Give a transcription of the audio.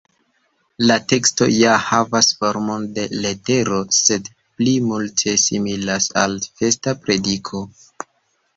La teksto ja havas formon de letero, sed pli multe similas al festa prediko.